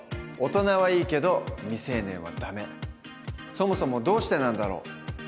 そもそもどうしてなんだろう？